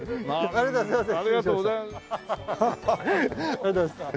ありがとうございます。